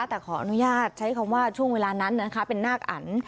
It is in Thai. แต่ขออนุญาตใช้คำว่าช่วงเวลานั้นนะคะเป็นนาคอัน